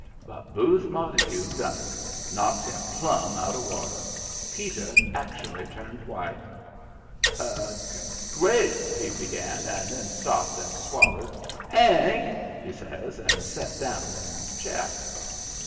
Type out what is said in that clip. But Booth Montague done it knocked him plumb out of water. Peter actually turned white. "Great " he began, and then stopped and swallered. "HANK!" he says, and set down in a chair.